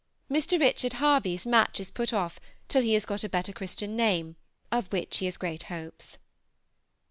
Mr. Richard Harvey's match is put off till he has got a better Christian name, of which he has great hopes.